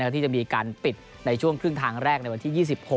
ที่จะมีการปิดในช่วงครึ่งทางแรกในวันที่๒๖